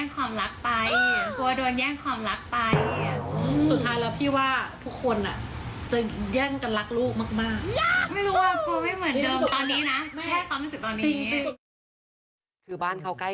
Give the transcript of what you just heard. กลัวรู้สึกว่ากลัวโดนแย่งความรักไป